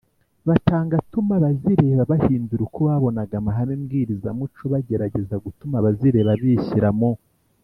batanga atuma abazireba bahindura uko babonaga amahame mbwirizamuco Bagerageza gutuma abazireba bishyira mu